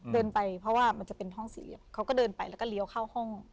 เดินไปเพราะว่ามันจะเป็นห้องสี่เหลี่ยมเขาก็เดินไปแล้วก็เลี้ยวเข้าห้อง